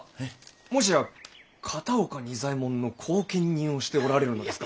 もしや片岡仁左衛門の後見人をしておられるのですか？